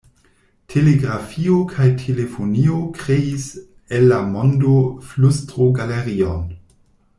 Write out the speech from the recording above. Telegrafio kaj telefonio kreis el la mondo flustrogalerion.